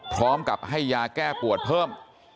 พร้อมกับให้ยาแก้ปวดเพิ่ม